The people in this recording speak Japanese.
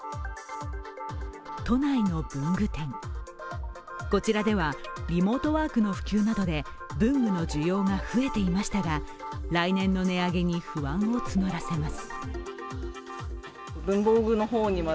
都内の文具店、こちらではリモートワークの普及などで文具の需要が増えていましたが来年の値上げに不安を募らせます。